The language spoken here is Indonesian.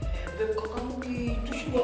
bebek kok kamu gitu sih